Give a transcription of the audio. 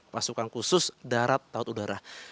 pasukan khusus darat laut udara